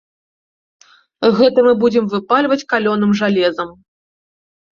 Гэта мы будзем выпальваць калёным жалезам.